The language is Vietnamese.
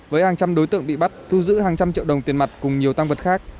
với hàng trăm đối tượng bị bắt thu giữ hàng trăm triệu đồng tiền mặt cùng nhiều tăng vật khác